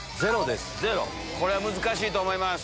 これは難しいと思います。